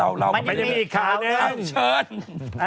มันยังมีอีกข่าวเยอะอันนี้